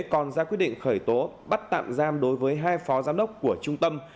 còn ra quyết định khởi tố bắt tạm giam đối với hai phó giám đốc của trung tâm